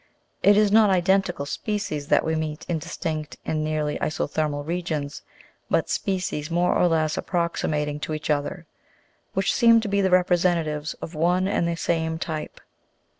It is not identical species that we meet in distinct and nearly isothermal regions, but species more or less approximating to each other, which seem to be the representatives of one and the same type.